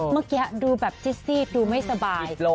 เมื่อกี้ดูแบบซีดดูไม่สบาย